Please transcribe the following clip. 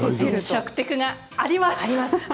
食テクがあります。